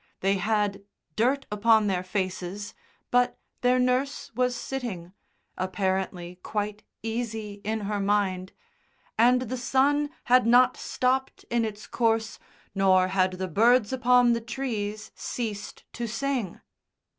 They had dirt upon their faces, but their nurse was sitting, apparently quite easy in her mind, and the sun had not stopped in its course nor had the birds upon the trees ceased to sing.